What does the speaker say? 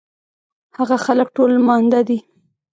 هغه خلک ټول ماندۀ دي